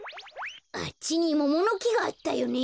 あっちにモモのきがあったよね。